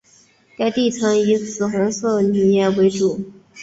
该地层以紫红色泥岩为主。